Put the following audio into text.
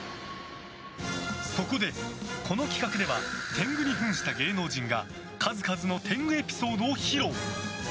そこで、この企画では天狗に扮した芸能人が数々の天狗エピソードを披露。